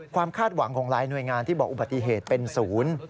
คาดหวังของหลายหน่วยงานที่บอกอุบัติเหตุเป็นศูนย์